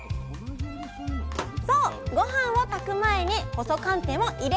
そうごはんを炊く前に細寒天を入れるだけ！